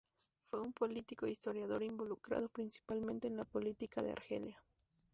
Fue un político e historiador involucrado principalmente en la política de Argelia.